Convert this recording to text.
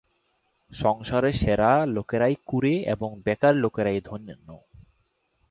সংসারে সেরা লোকেরাই কুঁড়ে এবং বেকার লোকেরাই ধন্য।